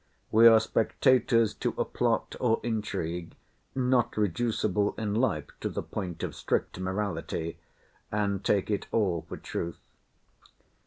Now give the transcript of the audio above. We are spectators to a plot or intrigue (not reducible in life to the point of strict morality) and take it all for truth.